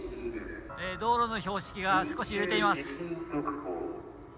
道路の標識が少し揺れています。